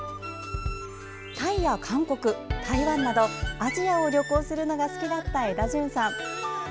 タイや韓国・台湾などアジアを旅行するのが好きだったエダジュンさん。